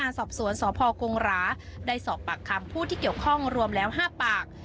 สอบสวนสพกงราได้สอบปากคำผู้ที่เกี่ยวข้องรวมแล้ว๕ปาก